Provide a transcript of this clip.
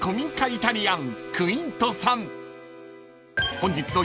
イタリアン。